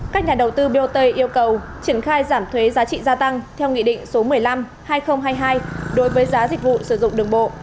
các nhà đầu tư bot yêu cầu triển khai giảm thuế giá trị gia tăng theo nghị định số một mươi năm hai nghìn hai mươi hai đối với giá dịch vụ sử dụng đường bộ